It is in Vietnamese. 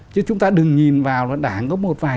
chứ chúng ta đừng nhìn vào là đảng có một vài